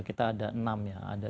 kita ada enam ya